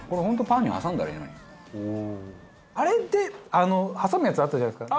あれって挟むやつあったじゃないですか。